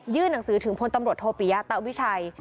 หนังสือถึงพลตำรวจโทปิยะตะวิชัย